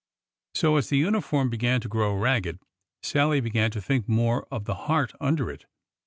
So, as the uniform began to grow ragged, Sallie began to think more of the heart under it.